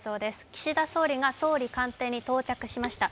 岸田総理が総理官邸に到着しました。